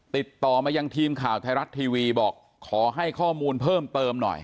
ติดต่อมายังทีมข่าวไทยรัฐทีวีบอกขอให้ข้อมูลเพิ่มเติมหน่อย